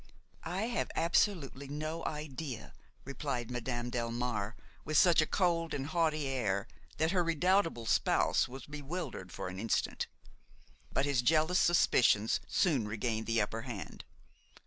"I have absolutely no idea," replied Madame Delmare with such a cold and haughty air that her redoubtable spouse was bewildered for an instant. But his jealous suspicions soon regained the upper hand.